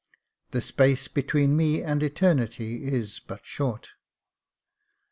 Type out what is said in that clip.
The space between me and eternity is but short."